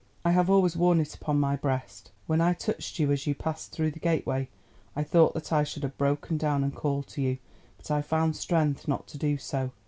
I have always worn it upon my breast. When I touched you as you passed through the gateway I thought that I should have broken down and called to you—but I found strength not to do so.